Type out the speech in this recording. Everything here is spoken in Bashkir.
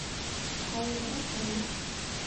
Ауыл йыраҡмы әле?